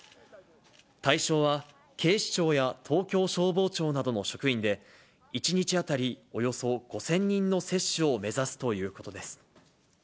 対象は警視庁や東京消防庁などの職員で、１日当たりおよそ５０００人の接種を目指すということです。